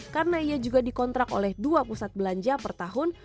karena ia juga dikontrak oleh dua pusat belanja per tahun